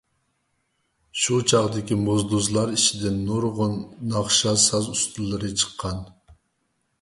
شۇ چاغدىكى موزدۇزلار ئىچىدىن نۇرغۇن ناخشا ساز ئۇستىلىرى چىققان.